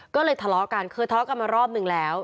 ก็เลยทะเลาะกันเคยทะเลาะกันมารอบหนึ่งแล้ว